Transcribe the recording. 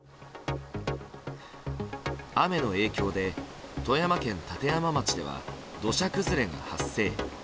雨の影響で富山県立山町では土砂崩れが発生。